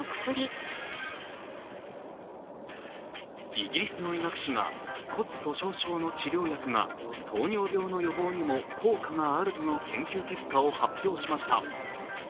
イギリスの医学誌が骨粗しょう症の治療薬が糖尿病の予防にも効果があるとの研究結果を発表しました。